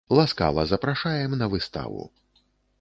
Ласкава запрашаем на выставу!